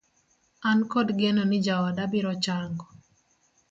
An kod geno ni jaoda biro chango